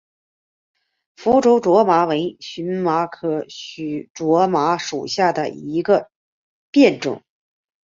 福州苎麻为荨麻科苎麻属下的一个变种。